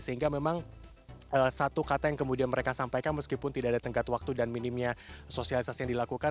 sehingga memang satu kata yang kemudian mereka sampaikan meskipun tidak ada tengkat waktu dan minimnya sosialisasi yang dilakukan